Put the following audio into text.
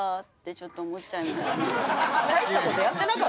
ちょっと思っちゃいましたね。